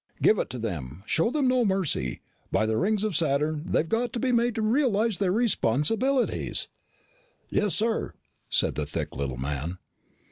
"Give it to them. Show them no mercy. By the rings of Saturn, they've got to be made to realize their responsibilities!" "Yes, sir," said the thick little man.